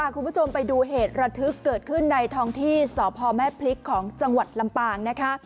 คุณผู้ชมไปดูเหตุระทึกเกิดขึ้นในท้องที่สพแม่พริกของจังหวัดลำปางนะคะ